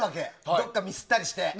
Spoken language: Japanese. どっかミスったりして。